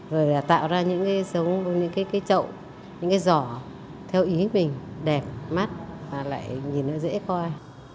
rồi tạo ra những cái chậu những cái vỏ theo ý mình đẹp mát và lại nhìn nó dễ coi